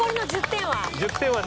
１０点はね。